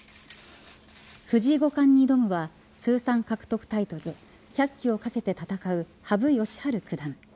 藤井五冠に挑むは通算獲得タイトル１００期をかけて戦う羽生善治九段。